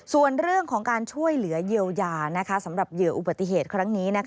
ส่วนเรื่องของการช่วยเหลือเยียวยาสำหรับเหยื่ออุบัติเหตุครั้งนี้